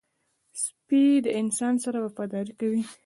سپي له انسان سره وفاداري کوي.